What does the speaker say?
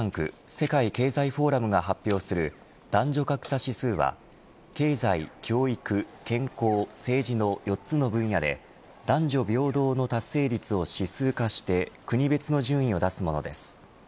世界経済フォーラムが発表する男女格差指数は経済、教育、健康、政治の４つの分野で男女平等の達成率を指数化して国別の順位を出すものです。